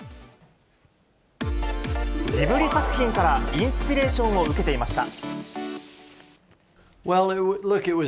ジブリ作品からインスピレーションを受けていました。